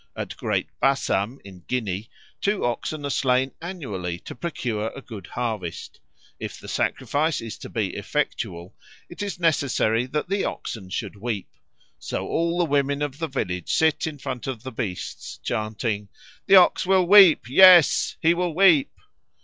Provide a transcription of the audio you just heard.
At Great Bassam, in Guinea, two oxen are slain annually to procure a good harvest. If the sacrifice is to be effectual, it is necessary that the oxen should weep. So all the women of the village sit in front of the beasts, chanting, "The OX will weep; yes, he will weep!"